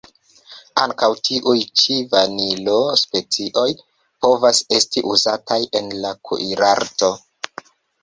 Ankaŭ tiuj ĉi Vanilo-specioj povas esti uzataj en la kuirarto.